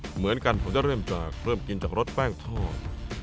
เหมือนกันผมจะเริ่มกินจากรสแป้งทอด